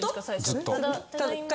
ずっと。